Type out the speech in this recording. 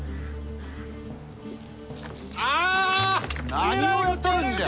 何をやっとるんじゃ！